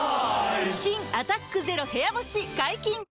新「アタックＺＥＲＯ部屋干し」解禁‼